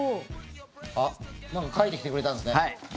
なんか書いてきてくれたんですね。